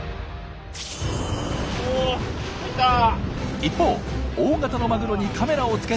一方大型のマグロにカメラをつけたチーム。